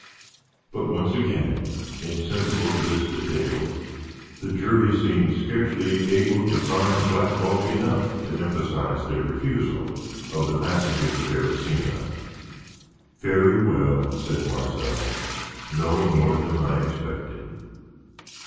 But once again, insensible to this detail, the jury seemed scarcely able to find blackballs enough to emphasize their refusal of the "Passage of the Beresina." "Very well," said Marcel; "no more than I expected.